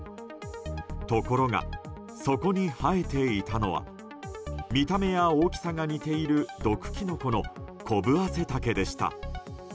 ところが、そこに生えていたのは見た目や大きさが似ている毒キノコのコブアセタケでした。